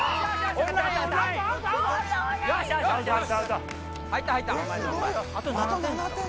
おい！